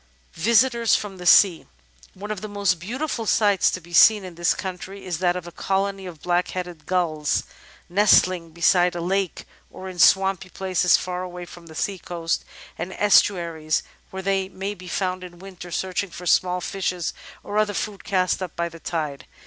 Visitors from the Sea One of the most beautiful sights to be seen in this country is that of a colony of Blackheaded Gulls nesting beside a lake or in swampy places far away from the sea coast and estuaries where they may be found in winter searching for small fishes or other food cast up by the tide.